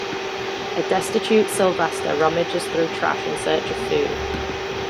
A destitute Sylvester rummages through trash in search of food.